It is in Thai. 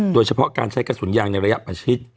โดยเฉพาะการใช้กระสุนยางในระยะประชิด